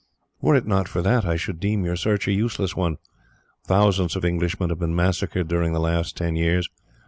"Were it not for that, I should deem your search a useless one. Thousands of Englishmen have been massacred during the last ten years.